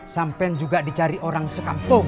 sampai juga dicari orang sekampung